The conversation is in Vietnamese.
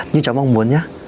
như cháu mong muốn nhé